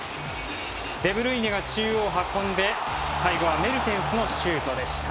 デブルイネが中央に運んで最後はメルテンスのシュートでした。